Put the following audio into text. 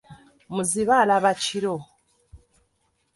Muzibe alaba kiro.